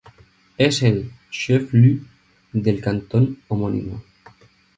Es el "chef-lieu" del cantón homónimo.